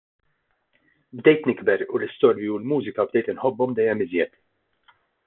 Bdejt nikber u l-istorbju u l-mużika bdejt inħobbhom dejjem iżjed.